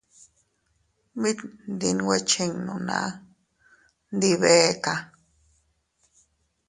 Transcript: Mit ndinwe chinnu naa, ndi beeka.